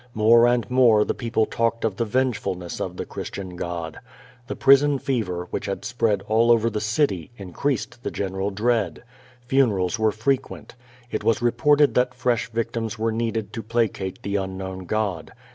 ^lore and more the people talked of the vengefulness of the Chris tian God. The prison. fever, which had spread all over the city, increased the general dread. Funerals were frequent. It was reported that fresh victims were needed to placate the unknown God.